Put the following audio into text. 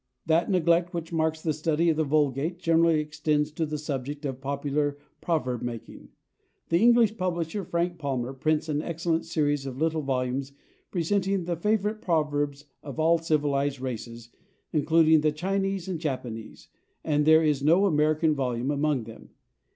That neglect which marks the study of the vulgate generally extends to the subject of popular proverb making. The English publisher, Frank Palmer, prints an excellent series of little volumes presenting the favorite proverbs of all civilized races, including the Chinese and Japanese, but there is no American volume among them.